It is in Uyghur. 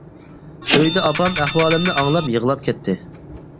ئۆيدە ئاپام ئەھۋالىمنى ئاڭلاپ يىغلاپ كەتتى.